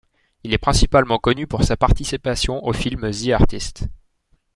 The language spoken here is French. Il est principalement connu pour sa participation au film The Artist.